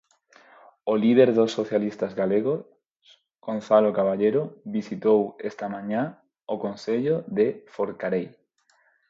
O líder dos socialistas galegos, Gonzalo Caballero, visitou esta mañá o concello de Forcarei.